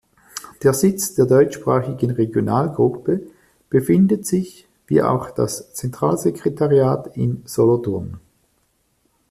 Der Sitz der deutschsprachigen Regionalgruppe befindet sich, wie auch das Zentralsekretariat, in Solothurn.